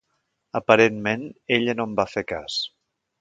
Aparentment ella no en va fer cas.